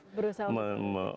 mencari bentuk baru